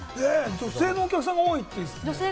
女性のお客さんが多いそうですね。